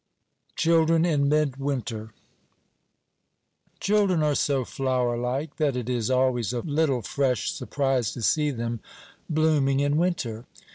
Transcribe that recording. CHILDREN IN MIDWINTER Children are so flowerlike that it is always a little fresh surprise to see them blooming in winter.